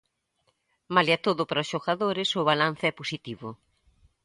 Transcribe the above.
Malia todo para os xogadores, o balance é positivo.